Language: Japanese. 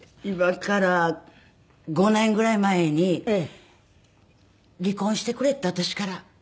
今から５年ぐらい前に離婚してくれって私から。